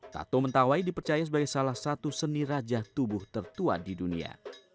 tato mentawai dipercaya sebagai salah satu seni raja tubuh tertua di dunia